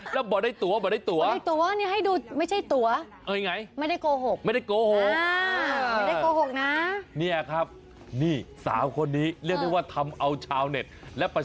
เยอะเลยเหรอถึงขั้นลาออกเลยเหรอ